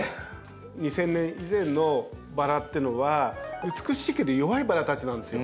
２０００年以前のバラっていうのは美しいけど弱いバラたちなんですよ。